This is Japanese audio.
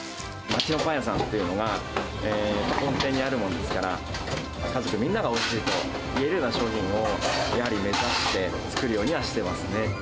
町のパン屋さんっていうのが根底にあるもんですから、家族みんながおいしいと言えるような商品をやはり目指して作るよ